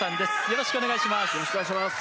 よろしくお願いします。